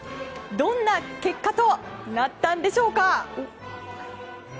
どんな結果となったんでしょう。